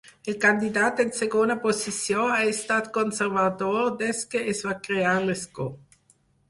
El candidat en segona posició ha estat Conservador des que es va crear l'escó.